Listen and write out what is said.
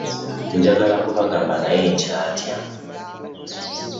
Njagala kubagamba naye nkyatya.